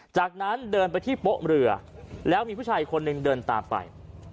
จากนั้นเดินไปที่โป๊ะเรือแล้วมีผู้ชายคนหนึ่งเดินตามไป